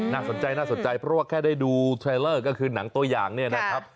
น่าสนใจน่าสนใจเพราะว่าแค่ได้ดูเทรลเลอร์ก็คือหนังตัวอย่างเนี่ยนะครับ